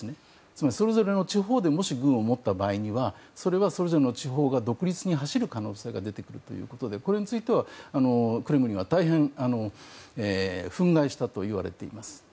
つまり、それぞれの地方でもし軍を持った場合にはそれはそれぞれの地方が独立に走る可能性が出てくるということでこれについてはクレムリンは大変憤慨したといわれています。